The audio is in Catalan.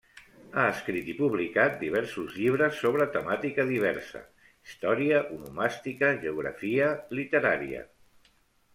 Ha escrit i publicat diversos llibres sobre temàtica diversa: història, onomàstica, geografia literària.